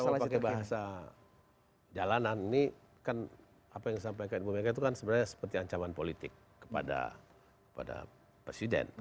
kalau kita pakai bahasa jalanan ini kan apa yang disampaikan ke mereka itu kan sebenarnya seperti ancaman politik kepada presiden kepada presiden terpilih